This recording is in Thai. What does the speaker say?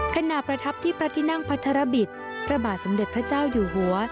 ขณะประทับที่พระที่นั่งพัทรบิตพระบาทสมเด็จพระเจ้าอยู่หัว